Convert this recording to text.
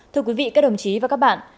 thưa quý vị các đồng chí và các bạn